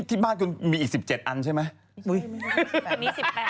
ที่บ้านคุณมีอีก๑๗อันใช่ไหม